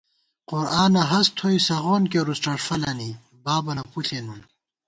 قرآنہ ہست تھوئی سغون کېرُس ڄݭفَلَنی بابَنہ پُݪے نُن